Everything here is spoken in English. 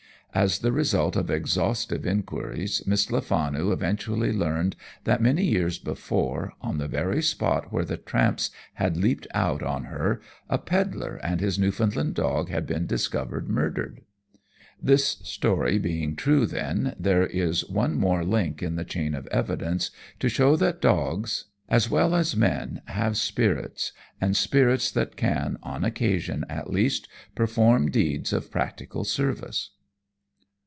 As the result of exhaustive enquiries Miss Lefanu eventually learned that many years before, on the very spot where the tramps had leaped out on her, a pedlar and his Newfoundland dog had been discovered murdered. This story being true, then, there is one more link in the chain of evidence to show that dogs, as well as men, have spirits, and spirits that can, on occasion, at least, perform deeds of practical service.